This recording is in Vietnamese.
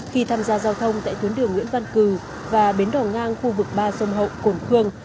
khi tham gia giao thông tại tuyến đường nguyễn văn cử và bến đỏ ngang khu vực ba sông hậu cổ khương